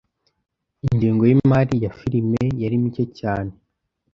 Ingengo yimari ya firime yari mike cyane.